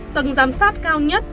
tầng giám sát cao nhất